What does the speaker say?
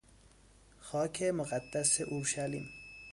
خاک مقدس اورشلیم